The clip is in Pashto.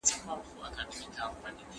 د تکرارېدونکو زېرمونو د ساتنې اهمیت زیات دی.